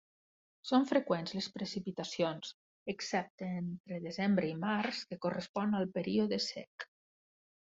Són freqüents les precipitacions, excepte entre desembre i març, que correspon al període sec.